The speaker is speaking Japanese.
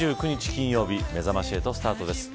金曜日めざまし８スタートです。